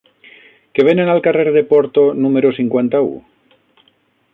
Què venen al carrer de Porto número cinquanta-u?